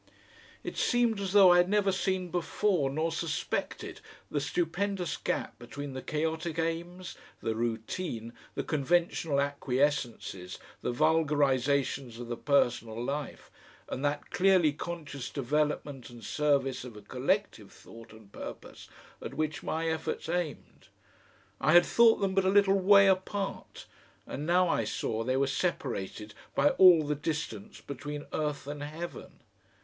It seemed as though I had never seen before nor suspected the stupendous gap between the chaotic aims, the routine, the conventional acquiescences, the vulgarisations of the personal life, and that clearly conscious development and service of a collective thought and purpose at which my efforts aimed. I had thought them but a little way apart, and now I saw they were separated by all the distance between earth and heaven.